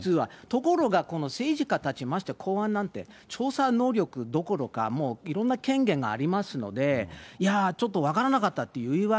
ところがこの政治家たち、ましては公安なんて、調査能力どころか、もういろんな権限がありますので、いや、ちょっと分からなかっ